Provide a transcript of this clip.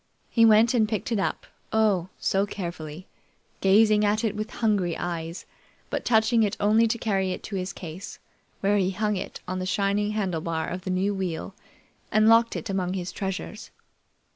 He went and picked it up, oh! so carefully, gazing at it with hungry eyes, but touching it only to carry it to his case, where he hung it on the shining handlebar of the new wheel and locked it among his treasures.